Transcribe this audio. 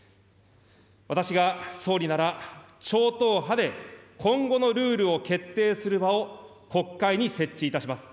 私が総理なら、超党派で今後のルールを決定する場を国会に設置いたします。